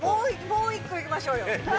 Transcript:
もう一個行きましょうよ。